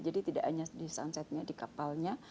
jadi tidak hanya di sunset nya di kapalnya